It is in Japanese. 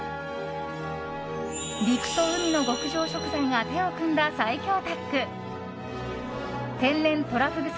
陸と海の極上食材が手を組んだ最強タッグ。